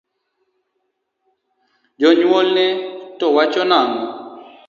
Jonyuolne to wachoni nang’o?